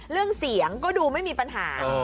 เรื่องเสียงก็ดูไม่มีปัญหา